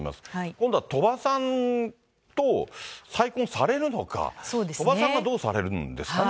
今度は鳥羽さんと再婚されるのか、鳥羽さんがどうされるんですかね。